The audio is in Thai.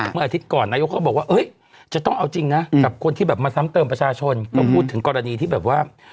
คือคาดการณ์ว่าจากที่แรกเราเข้าใจว่า